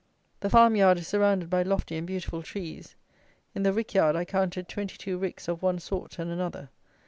The farm yard is surrounded by lofty and beautiful trees. In the rick yard I counted twenty two ricks of one sort and another.